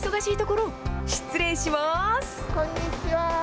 こんにちは。